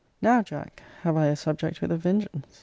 Now, Jack, have I a subject with a vengeance.